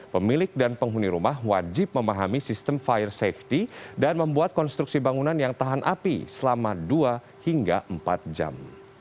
pemilik dan penghuni rumah wajib memahami sistem fire safety dan membuat konstruksi bangunan yang tahan api selama dua hingga empat jam